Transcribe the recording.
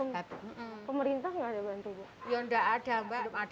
ya gak ada mbak